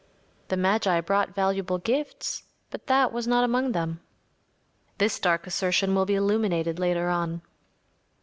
The magi brought valuable gifts, but that was not among them. This dark assertion will be illuminated later on.